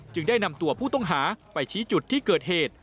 ได้นำตัวผู้ต้องหาไปชี้จุดที่เกิดเหตุ